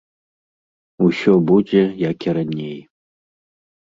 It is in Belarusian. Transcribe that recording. Усё будзе, як і раней.